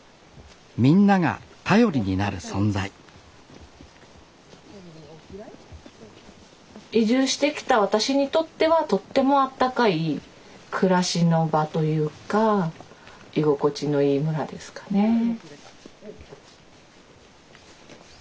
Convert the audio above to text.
みんなが頼りになる存在移住してきた私にとってはとってもあったかい暮らしの場というか居心地のいい村ですかね。